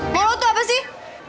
mau lo tuh apa sih